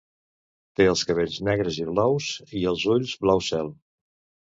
Té els cabells negres i blaus i els ulls blau cel.